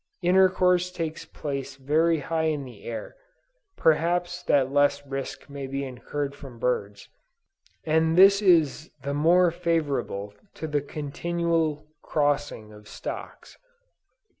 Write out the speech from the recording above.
Intercourse takes place very high in the air, (perhaps that less risk may be incurred from birds,) and this is the more favorable to the continual crossing of stocks.